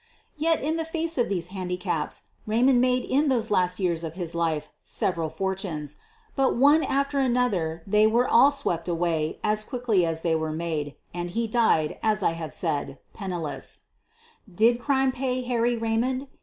Yet, in the face of these handicaps, Raymond made in those last years of his life several for tunes. But one after another they were all swept away as quickly as they were made, and he died, as I have said, penniless. QUEEN OF THE BURGLARS 61 Did crime pay Harry Raymond?